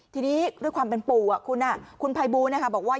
ทีนี้ด้วยความเป็นปู่คุณภัยบูลบอกว่า